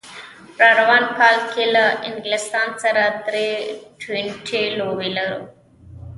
راروان کال کې له انګلستان سره درې ټي ټوینټي لوبې لرو